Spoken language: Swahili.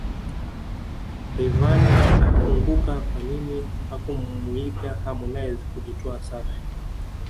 Rayvanny afunguka kwanini hakumuiga Harmonize kujitoa Wasafi